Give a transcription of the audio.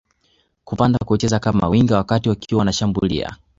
kupanda kucheza kama winga wakati wakiwa wanashambulia